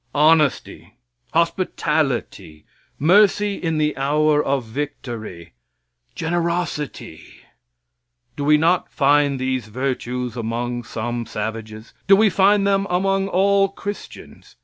Honesty, hospitality, mercy in the hour of victory, generosity do we not find these virtues among some savages? Do we find them among all Christians?